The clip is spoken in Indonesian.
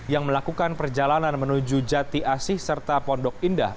yang melakukan perjalanan menuju jati asih serta pondok indah